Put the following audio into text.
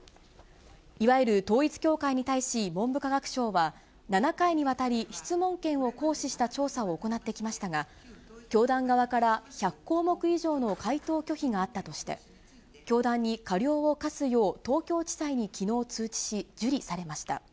いわゆる統一教会に対し、文部科学省は、７回にわたり質問権を行使した調査を行ってきましたが、教団側から１００項目以上の回答拒否があったとして、教団に過料を科すよう東京地裁にきのう通知し、受理されました。